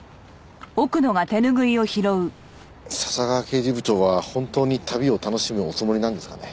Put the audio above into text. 笹川刑事部長は本当に旅を楽しむおつもりなんですかね？